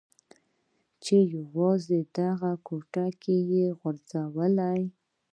چې نه یوازې دغه کوټې يې و غورځولې.